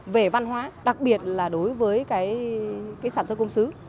về văn hóa đặc biệt là đối với cái sản xuất công xứ